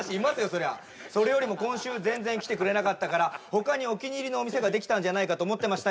そりゃそれよりも今週全然来てくれなかったから他にお気に入りのお店ができたんじゃないかと思ってましたよ